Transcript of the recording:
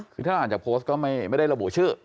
ถ้าอาจจะโพสต์ก็ไม่ได้ระบุชื่อ